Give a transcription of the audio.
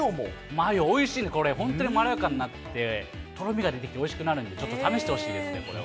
マヨ、おいしいの、これ、本当にまろやかになって、とろみが出ておいしくなるんで、ちょっと試してほしいですね、これは。